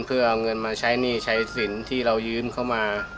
เพื่อเอาเงินมาใช้หนี้ใช้สินที่เรายืมเข้ามา